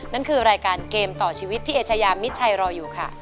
นั่นคือรายการเกมต่อชีวิตพี่เอชายามิดชัยรออยู่ค่ะ